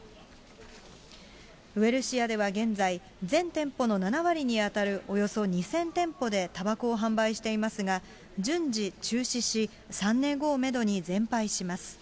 ウエルシアでは現在、全店舗の７割に当たるおよそ２０００店舗でたばこを販売していますが、順次中止し、３年後をメドに全廃します。